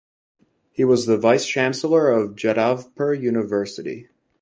He was the vice chancellor of Jadavpur University.